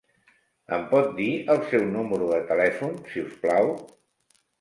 Em pot dir el seu número de telèfon, si us plau?